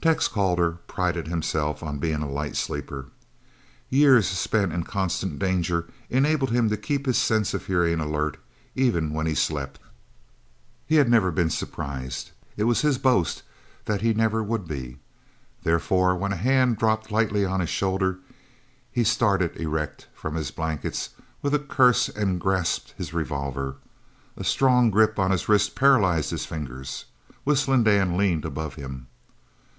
Tex Calder prided himself on being a light sleeper. Years spent in constant danger enabled him to keep his sense of hearing alert even when he slept. He had never been surprised. It was his boast that he never would be. Therefore when a hand dropped lightly on his shoulder he started erect from his blankets with a curse and grasped his revolver. A strong grip on his wrist paralysed his fingers. Whistling Dan leaned above him.